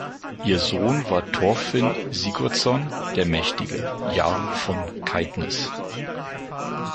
Ihr Sohn war Thorfinn Sigurdsson der Mächtige, Jarl von Caithness.